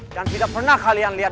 dan tidak pernah kalian lihat